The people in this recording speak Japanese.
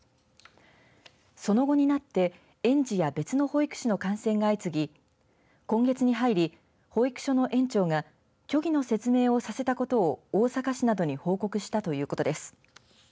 その後になって、園児や別の保育士の感染が相次ぎ今月に入り保育所の園長が虚偽の説明をさせたことを大阪市などに報告したということです。